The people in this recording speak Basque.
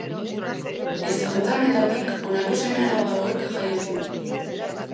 Ezkontza honetatik, honako seme-alaba hauek jaio ziren.